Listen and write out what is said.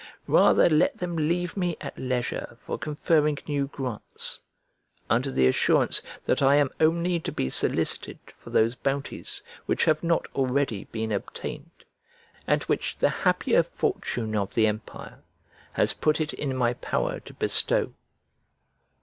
Rather let them leave me at leisure for conferring new grants, under the assurance that I am only to be solicited for those bounties which have not already been obtained, and which the happier fortune of the empire has put it in my power to bestow."